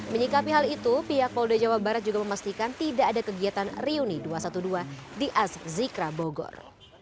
menyikapi hal itu pihak polda jawa barat juga memastikan tidak ada kegiatan riuni dua ratus dua belas di azzikra bogor